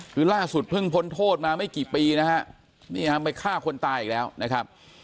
คือล่าสุดเพิ่งพ้นโทษมาไม่กี่ปีนะฮะนี่ฮะไปฆ่าคนตายอีกแล้วนะครับ